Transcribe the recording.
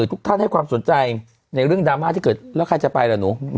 ทุกท่านให้ความสนใจในเรื่องดราม่าที่เกิดแล้วใครจะไปล่ะหนู